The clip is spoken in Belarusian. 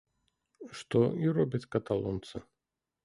Што і робяць каталонцы.